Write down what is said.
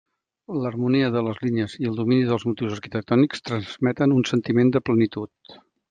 L'harmonia de les línies i el domini dels motius arquitectònics transmeten un sentiment de plenitud.